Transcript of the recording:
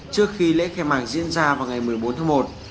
trước khi lễ khai mạc diễn ra vào ngày một mươi bốn tháng một